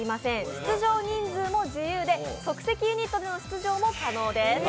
出場人数も自由で即席ユニットでの出場も可能です。